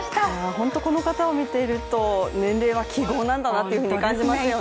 ほんとこの方を見ていると年齢は記号なんだなと感じますね。